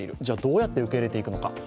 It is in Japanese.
じゃあどうやって受け入れていくのか。